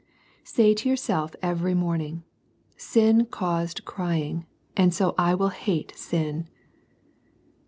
Say to yourself every morning, " Sin caused crying, and so I will hate sin."